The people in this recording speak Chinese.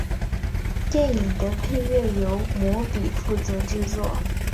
电影的配乐由魔比负责制作。